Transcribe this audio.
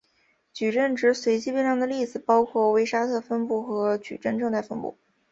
矩阵值随机变量的例子包括威沙特分布和矩阵正态分布。